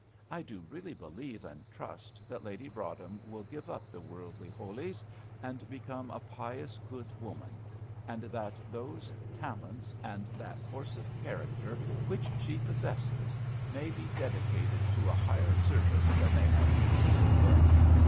I do really believe and trust that Lady Broadhem will give up the worldly holies, and become a pious good woman; and that those talents and that force of character which she possesses may be dedicated to a higher service than they have heretofore been.